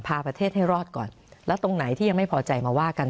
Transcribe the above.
พาประเทศให้รอดก่อนแล้วตรงไหนที่ยังไม่พอใจมาว่ากัน